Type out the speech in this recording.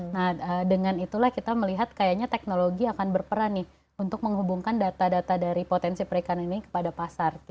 nah dengan itulah kita melihat kayaknya teknologi akan berperan nih untuk menghubungkan data data dari potensi perikanan ini kepada pasar